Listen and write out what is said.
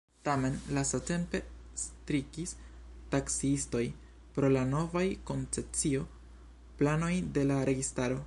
Tamen lastatempe strikis taksiistoj pro la novaj koncesio-planoj de la registaro.